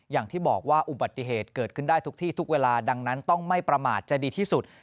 อย่างที่บอกว่าอุบัติเหตุเกิดขึ้นได้ทุกที่ทุกเวลาดังนั้นต้องไม่ประมาทจะดีที่สุด